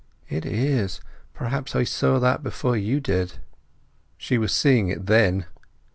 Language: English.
"It is. Perhaps I saw that before you did." She was seeing it then.